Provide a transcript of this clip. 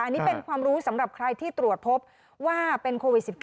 อันนี้เป็นความรู้สำหรับใครที่ตรวจพบว่าเป็นโควิด๑๙